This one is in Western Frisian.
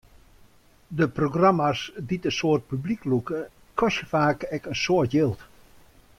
De programma's dy't in soad publyk lûke, kostje faak ek in soad jild.